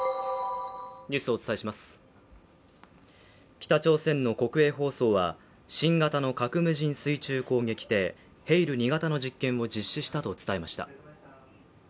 北朝鮮の国営放送は新型の核無人水中攻撃艇ヘイル２型の実験を実施したと伝えました。